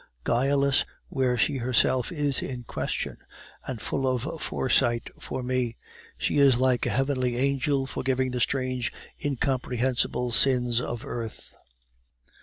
Guileless where she herself is in question, and full of foresight for me, she is like a heavenly angel forgiving the strange incomprehensible sins of earth."